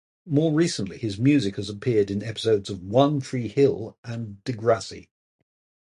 More recently, his music has appeared in episodes of "One Tree Hill" and "Degrassi".